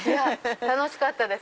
楽しかったです